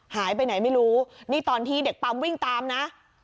หายไปไหนไม่รู้นี่ตอนที่เด็กปั๊มวิ่งตามนะ